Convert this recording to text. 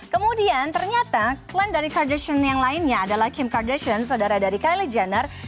kemudian ternyata klan dari kardashion yang lainnya adalah kim kardashion saudara dari kylie jenner